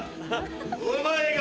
お前が。